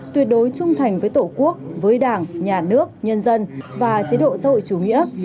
tuyệt đối trung thành với tổ quốc với đảng nhà nước nhân dân và chế độ xã hội chủ nghĩa